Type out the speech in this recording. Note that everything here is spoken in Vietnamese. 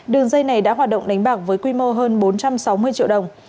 đường dây này đã hoạt động đánh bạc với quy mô hơn bốn trăm sáu mươi triệu đồng